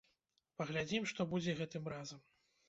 Паглядзім, што будзе гэтым разам.